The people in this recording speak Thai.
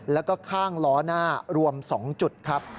แล้วก็ข้างล้อหน้ารวม๒จุดครับ